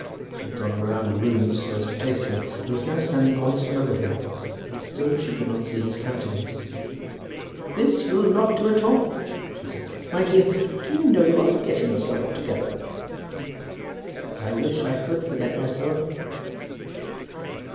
She had gone round the room so as to face him, and was now standing almost over him, but still she could not see his countenance. "This will not do at all," she said. "My dear, do you know that you are forgetting yourself altogether?" "I wish I could forget myself."